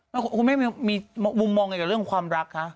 แล้วคุณแม่มีมุมมองอะไรกับเรื่องความรักคะ